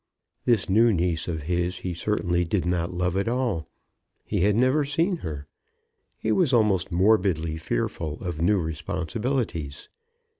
This new niece of his he certainly did not love at all. He had never seen her. He was almost morbidly fearful of new responsibilities.